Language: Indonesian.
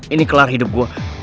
ini kelar hidup gue